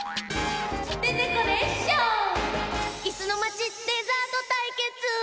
「いすのまちデザートたいけつ」！